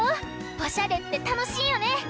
おしゃれってたのしいよね。